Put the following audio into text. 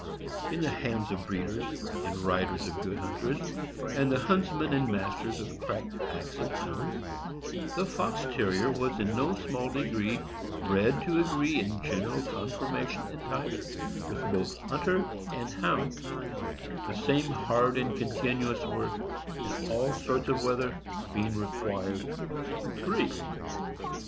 In the hands of breeders, and riders of good hunters, and the huntsmen and masters of crack packs of Hounds, the Fox Terrier was in no small degree bred to agree in general conformation and type with both Hunter and Hound; the same hard and continuous work, in all sorts of weather, being required of all three.